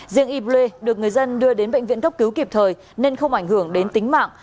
riêng yblê được người dân đưa đến bệnh viện gốc cứu kịp thời nên không ảnh hưởng đến tính mạng